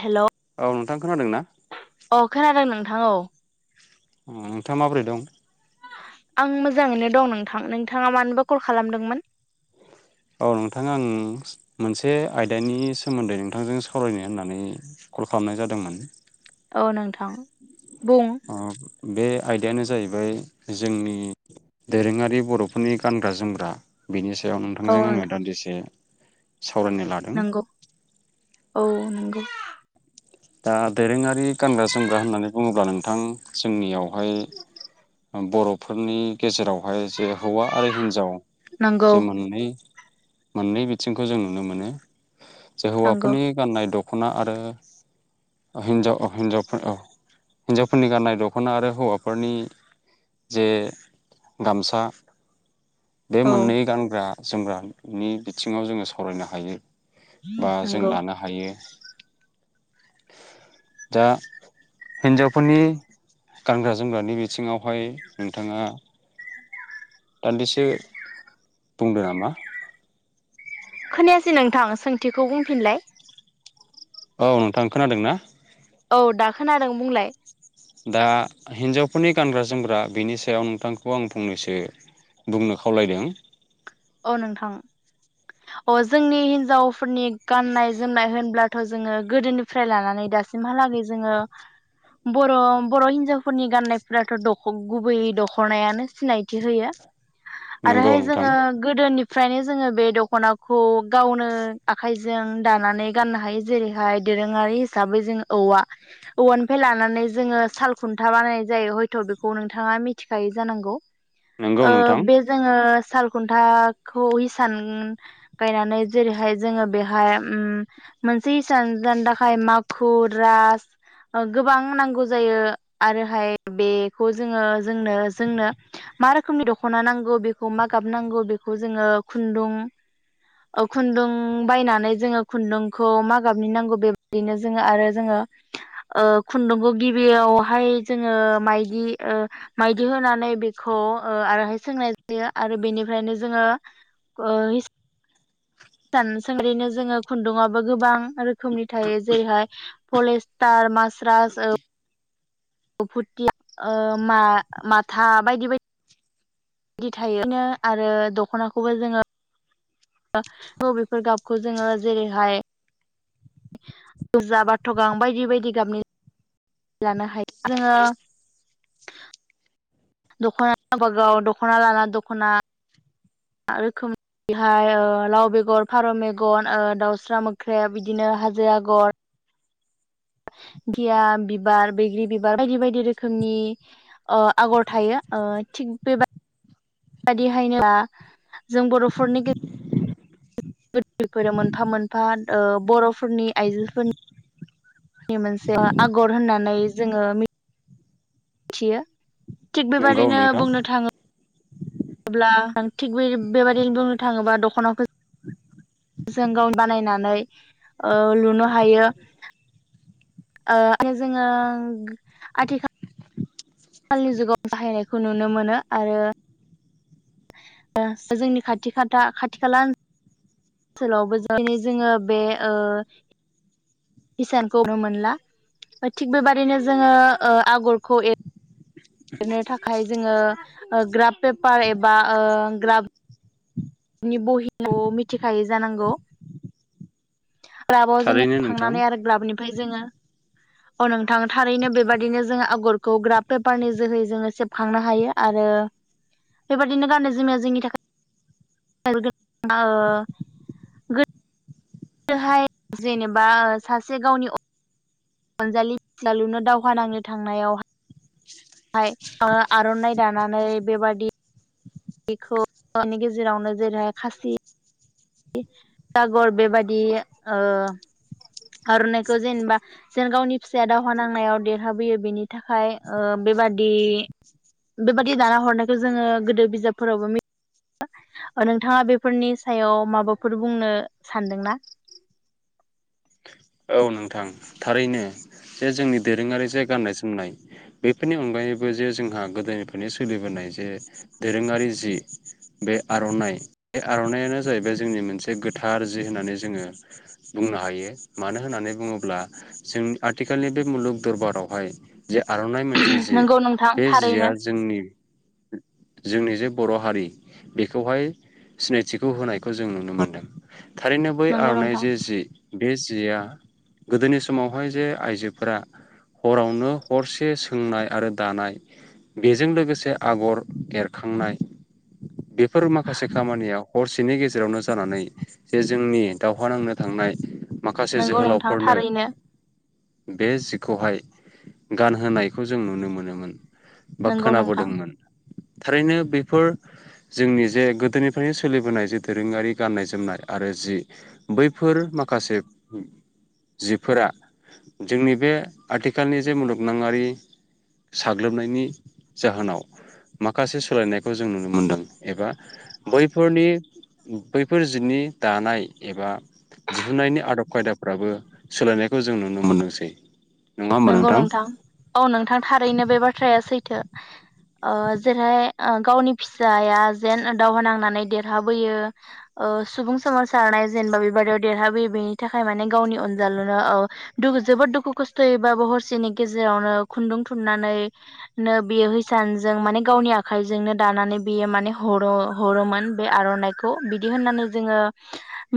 हेल' औ नोंथां खोनादों ना? अ खोनादों नोंथां औ नोंथाङा माबोरै दं? आं मोजाङैनो दं नोंथां नोंथाङा मानोबा कल खालामदोंमोन? औ नोंथाङा आं मोनसे आयदानि सोमोन्दै नोंथांजों सावरायनो होननानै कल खालामनाय जादोंमोन औ नोंथां बुं ओ बे आयदायानो जाहैबाय जोंनि दोरोङारि बर'फोरनि गानग्रा जोमग्रा बिनि सायाव औ थांजों आङो नोंथां दान्दिसे सावरायनो लादों नंगौ औ नंगौ [unintelligible] दा दोरोङारि गानग्रा जोमग्रा होननानै बुङोब्ला नोंथां जोंनियावहाय बर'फोरनि गेजेराव बेवहाय जे हौवा आरो हिनजाव नंगौ जे मोननै मोननै बिथिंखौ जों नुनो मोनो। जो नंगौ हौवाफोरनि गान्नाय दख खना आरो हिनजाव हिन्जाव हिन्जावफोरनि गाननाय दख'ना आरो हौवाफोरनि जे गामसा बे औ मोननै गानग्रा जोमग्रानि बिथिङाव जोङो सावरायनो हायो । बा जों नंगौ लानो हायो । दा हिन्जावफोरनि गानग्रा जोमग्रानि बिथिङावहाय नोंथाङा दान्दिसो बुंदो नामा? खोनायासै नोंथां सोंथिखौ बुंफिनलाय? औ नोंथां खोनादों ना? औ दा खोनादों बुंलाय । दा हिनजावफोरनि गानग्रा जोमग्रा बिनि सायाव नोंथांखौ आं फंनैसो बुंनो खावलायदों । अ नोंथां अ जोंनि हिनजाव फोरनि गाननाय जोमनाय होनब्ला थ' जोङो गोदोनिफ्राय लानानै दासिमहालागै जोङो बर' बर' हिनजावफोरनि गाननायफोराथ' गुबैयै दख'नायानो सिनायथि होयो । नंगौ आरोहाय नोंथां जोङो गो गोदोनिफ्रायनो जोङो बे दख'नाखौ गावनो आखाइजों दानानै गाननो हायो जेरैहाय दोरोङारि हिसाबै जों औवा, औवानिफ्राय लानानै जोङो साल खुन्था बानायनाय जायो हयथ' बेखौ नोंथाङा मिथिखायो जानांगौ? नंगौ ओ नोंथां बे जोङो सालखु थाखौ इसान गायनानै जेरैहाय जोङो बेहाय ओम मोनसे इसान थाखाय माखुर रास गोबां नांगौ जायो, आरोहाय बेखौ जोङो जोंनो जोंनो मा रोखोमनि दखना नांगौ मारोखोमनि गाब नांगौ? बेखौ जोङो खुन्दुं, खुन्दुं बायनानै जोङो खुन्दुंखौ मा गाबनि नांगौ? बेबायदिनो जोङो आरो जोङो खुन्दुंखौ गिबियावहाय जोङो माइदि माइदि होनानै बेखौ आरोहाय सोंनाय जायो। आरो बेनि ओमफ्रायनो जोङो अ इसान सोंरोनो जोङो खुन्दुङाबबो गोबां। रोखोमनि थायो जेरैहाय फेलेजटार मास र्सस औ फुथला ओ मा माथा बायदि बायदि। बिदि थायो बिनो आरो दख'नाखौबो जोङो बबेफोर गाबखौ जोङो जेरैहाय गोजा बाथ' गां बायदि बायदि गाबनि लानो हायो। जोङो दख'ना आगराव दख'ना लाना दख'ना। रोखोम बेहाय ओ लाव बेगर फारौ मेगन दाउस्रा मोख्रेब बिदिनो हाजो आगर। गिया बिबार बैग्रि बिबार बायदि बायदि रोखोमनि आगर थायो थिग बेबाय बे बदिहायनो जों बर'फोरनि गेजेराव फोराव मोनफा मोनफा बर'फोरनि आइजोफोरनि नि मोनसे आगर होननानै जोङो मि थियो थिग नंगौ बेबायाददिनो नोंथां बुंनो थाङो अब्ला थिग बे बेबादिनो बुंनो थाङोबा दख'नाखौ [unintelligible] जों गाव बानायनानै लुनो हायो। आरो जोङो आथिखाल आथिखालनि जुगाव बाहायनायखौ नुनो मोनो। आरो जोंनि खाथि खाटा खाथि खाला ओनसोलावबो [unintelligible] दिनै जोङो बे हिसानखौ नुनो मोनला। थिग बेबादिनो जोङो ओ आगरखौ एर लिरनो थाखाय जोङो ग्राफ पेपार एबा ग्राफ नि बहिखौ मिथिखायै जानांगौ? ग्राबाव थारैनो नोंथां जोङोखांनानै आरो ग्राबनिफ्राय जोङो अ नोंथां थारैनो बेबायादिनो जोंङो आगरखौ ग्राफ पेपारनि जोहै जोङो सेबखांनो हायो आरो बेबादिनो गाननाय जोमनाया जोंनि थाखाय [unintelligible] [unintelligible] हाय जेनेबा सासे गावनि अ अनजालि [unintelligible] लुनो दावहा नांनो थांनायाव हाय ओ आर'नाइ दानानै बेबादि बेखौ [unintelligible] गेजेरावनो जेरैहाय खासि आगर बेबादि ओ आर'नाइखौ जेनेबा जेन गावनि फिसाया दावहा नांनायाव देरहाबोयो बेनि थाखाय ओ बेबादि बेबादि दाना हरनायखौ जोङो गोदो बिजाबफोरावबो मिथि [unintelligible] नोंथाङा बेफोरनि सायाव माबाफोर बुंनो सानदोंना? औ नोंथां थारैनो ।जे जोंनि दोरोङारि जे गान्नाय जोमनाय बेफोरनि अनगायैबो जे जोंहा गोदोनिफ्रायनो सोलिबोनाय जे दोरोङारि जि बे आर'नाइ बे आर'नायानो जाहैबाय जोंनि मोनसे गोथार जि होननानै जोङो बुंनो हायो मानो होननानै बुङोब्ला जों आथिखालनि बे मुलुग दरबारावहाय जे आर'नाइ मोनसे जि नंगौ नोंथां बे जिया थारैनो जोंनि जोंनि जे बर' हारि बेखौहाय सिनायथिखौ होनायखौ जों नुनो मोनदों । थारैनो बै नंगौ आर'नाइ नोंथां जे जि बे जिया गोदोनि समावहाय जे आइजोफोरा हरावनो हरसे सोंनाय आरो दानाय बेजों लोगोसे आगर एरखांनाय बे फोर माखासे खामानियाव हरसेनि गेजे जेरावनो जानानै जे जोंनि दावहा नांनो थांनाय माखासे नंगौ नोंथां जोहोलाव नो थारैनो बे जिखौ हाय गानहोनायखौ जों नुनो मोनोमोन बा नंगौ नोंथां खोनाबोदोंमोन थारैनो बेफोर जोंनि जे गोदोनिफ्रायनो सोलिबोनाय जे दोरोङारि गाननाय- जोमनाय आरो जि बैफोर माखासे जिफोरा जोंनि बे आथिखालनि जे मुलुगनाङारि साग्लोबनायनि जाहोनाव माखासे सोलायनायखौ जों नुनो मोनदों एबा बैफोरनि बैफोर जिनि दानाय एबा दिहुनन्नायनि आदब खायदाफ्राबो सोलायनायखौ जों नुनो मोनदोंसै । नोंगौ नोंथां औ नोंथां थारैनो बे बाथ्राया सैथो । ओ जेरै ओ गावनि फिसाया जेन दावहा नांनानै देरहाबोयो ओ सुबुं सोमावसारनाय जेनेबा बेबादियाव देरहाबोयो बेनि थाखाय माने गावनि अनजालुनो औ दुखु जोबोद दुखु खस थैबाबो हरसेनि गेजेरावनो खुन्दुं थुननानैनो बे हैैसानजों माने गावनि आखाइजोंनो दानानै बियो माने हरो हरोमोन बे आर'नाइखौ बिदि होननानै जोङो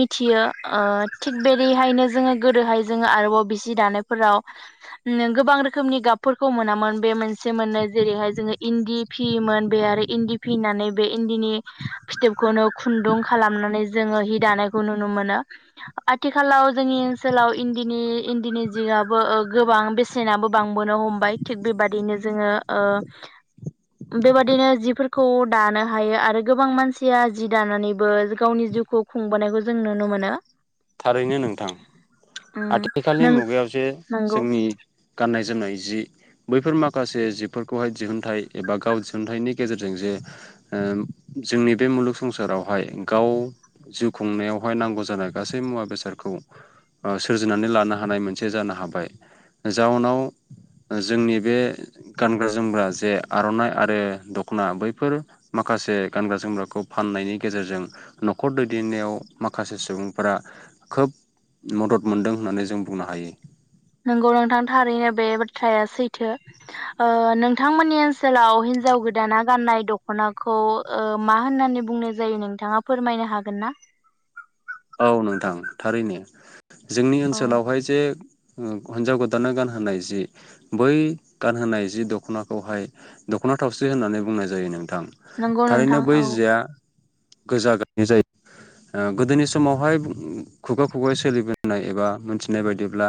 मिथियो ओ थिग बेदिहायनो जोङो गोदोहाय जोङो आरोबाव बिसि दानायफोराव नों गोबां रोखोमनि गाबफोरखौ मोनामोन बे मोनस से मोननै जेरैहाय जोङो इन्दि फियोमोन बे आरो इन्दि फिनानै बे इन्दिनि फिथोबखौनो खुन्दुं खालामनानै जोङो हि दानायखौ नुनो मोनो आथिखालाव जोंनि ओनसोलाव इन्दिनि इन्दिनि जिगाब बो ओ गोबां बेसेनाबो बांबोनो हमबाय थिग बेबादिनो जोङो ओ बेबादिनो जिफोरखौ दानो हायो आरो गोबां मानसिया जि दानानैबो गावनि जिउखौ खुंबोनायखौ जों नुनो मोनो । थारैनो नोंथां । उम आथिखालनि नों मुगायाव जे नंगौ जोंनि गाननाय -जोमनाय जि बैफोर माखासे जिफोरखौहाय दिहुनथाइ एबा गाव दिहुनथाइनि गेजेरजों जे ओ जोंनि बे मुलुग संसारावहाय गाव जिउ खुंनायावहाय नांगौ जानाय गासै मुवा बेसादखौ ओ सोरजिनानै लानो हानाय मोनसे जानो हाबाय जाउनाव जोंनि बे गानग्रा -जोमग्रा जे आर'नाइ आरो दखना बैफोर माखासे गानग्रा जोमग्राखौ फाननायनि गेजेरजों न'खर दैदेननायाव माखासे सुबुंफोरा खोब मदद मोनदों होननानै जों बुंनो हायो । नोंगौ नोंथां थारैनो बे बाथ्राया सैथो ओ नोंथांमोननि ओनसोलाव हिनजाव गोदाना गाननाय दख'नाखौ ओ मा होननानै बुंनाय जायो नोंथाङा फोरमायनो हागोन ना? औ नोंथां थारैनो । जोंनि औ ओनसोलावहाय जे ओ हिन्जाव गोदाननो गानहोनाय जि बै गानहोनाय जि दखनाखौहाय दख'ना थावसि होननानै बुंनाय जायो नों थां नंगौ थारैनो नोंथां बै औ जिया। गोजा गाबनि जायो ओ गोदोनि सु समावहाय खुगा खुगा सोलिबोनाय एबा मोनथिनाय बायदिब्ला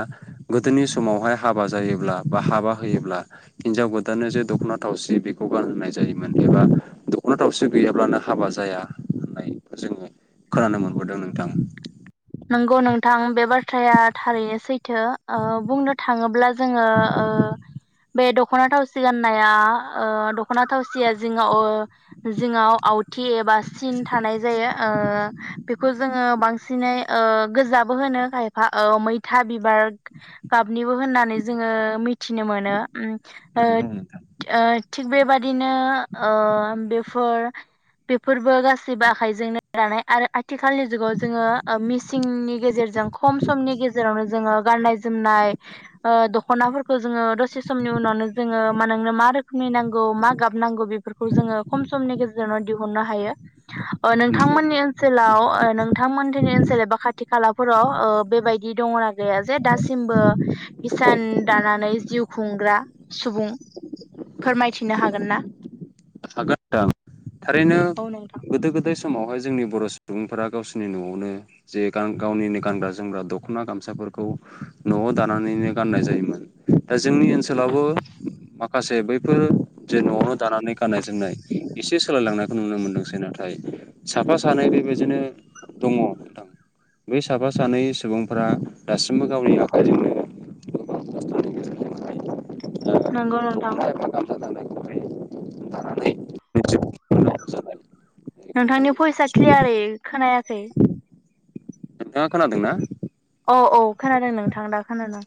गोदोनि समावहाय हाबा जायोब्ला बा हाबा होयोब्ला हिनजाव गोदाननो जे दखना थावसि बेखौ गानहोनाय जायोमोन एबा दखना थावसि गैयाब्लानो हाबा जाया होननाय जोङो खोनानो मोनबोदों नों थां। नोंगौ नोंथां बे बाथ्राया थारैनो सैथो ओ बुंनो थाङोब्ला जोङो ओ बे दख'ना थावसि गाननाया ओ दख'ना थावसिया जिङाव ओ जिङाव आवथि एबा सिन थानाय जायो ओ [unintelligible] खौ जोङो बांसिनै ओ गोजाबो होनो खायफा औ मैथा बिबार गाबनिबो होननानै जोङो मिथिनो मोनो। उम ओद नंगौ नोंथां ओद। थिग बेबादिनो ओ बेफोर बेफोरबो गासैबो आखाइजोंनो दानाय आरो आथिखालनि जुगाव जोङो। ओ मिसिंनि गेजेरजों। खम समनि गेजेरावनो जोङो। गाननाय जोमनाय ओ दख'नाफोरखौ जोङो दसे समनि उनावनो जोङो मा नोंनो मा रोखोमनि नांगौ मा गाब नांगौ बेफोरखौ जोङो खम समनि गेजेरावनो दिहुननो हायो। ओ नंगौ नोंथांमोननि ओनसोलाव ओ नोंथांमोन। जोंनि ओनसोल एबा खाथि खालाफोराव ओ बेबायदि दङना गैया जे दासिमबो हिसान दानानै जिउ खुंग्रा सुबुं फोरमायथिनो हागोन ना? हागोन नोंथां थारैनो औ नोंथां गोदो गोदाय। समावहाय जोंनि बर' सुबुंफोरा गावसोरनि न'आवनो जे गान-गावनिनो गानग्रा जोमग्रा दख'ना गामसाफोरखौ न'आव दानानैनो गाननाय जायोमोन दा जोंनि ओनसोलावबो माखासे बैफोर जे न'आवनो दानानै गाननाय जोमनाय एसे सोलायलांनायखौ नुनो मोनदोंसै नाथाय साफा सानै बेबायदिनो दङ नोंथां बै साफा सानै सुबुंफ्रा दासिमबो गावनि आखाइजोंनो। खस्थ'नि गेजेरजोंहाय नंगौ नोंथां। दख'ना एबा गामसा दानायखौहाय लानानै जिउ जानाय नोंथांनि बयसा क्लियारै नोंथाङा खोनायाखै। नोंथाङा खोनादोंना। औ औ खोनादों नोंथां दा खोनादों।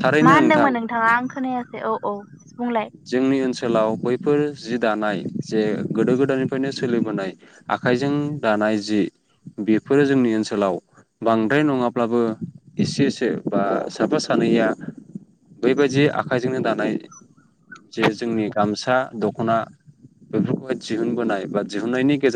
थारैनो मा नोंथां होनदोंमोन नोंथाङा आं खोनायासै औ। औ। बुंलाय जोंनि ओनसोल सोलाव बैफोर जि दानाय जे गोदो गोदायनिफ्रायनो सोलिबोनाय आखाइजों दानाय जि बेफोरो जोंनि ओनसोलाव बांद्राय नङाब्लाबो एसे एसे बा साफा सानैया बैबायदि आखाइजोंनो दानाय जे जोंनि गामसा दख'ना बेफोरखौहाय दिहुनबोनाय बा दिहुननायनि गेजेर